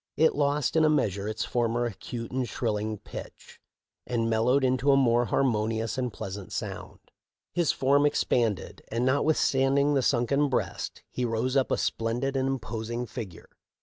It lost in a meas ure its former acute and shrilling pitch, and mel lowed into a more harmonious and pleasant sound. His form expanded, and, notwithstanding the sunken breast, he rose up a splendid and imposing figure.